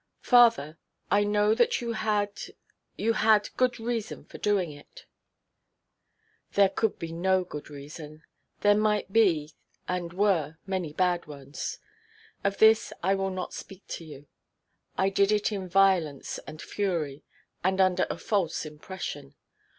"Father, I know that you had—you had good reason for doing it." "There could be no good reason. There might be, and were, many bad ones. Of this I will not speak to you. I did it in violence and fury, and under a false impression.